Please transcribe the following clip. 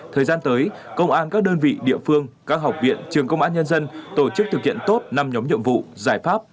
thời gian tới công an các đơn vị địa phương các học viện trường công an nhân dân tổ chức thực hiện tốt năm nhóm nhiệm vụ giải pháp